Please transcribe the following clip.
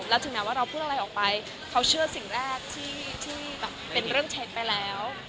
แล้วถึงแม้ว่าเราพูดอะไรออกไปเขาเชื่อสิ่งแรกที่แบบเป็นเรื่องเท็จไปแล้ว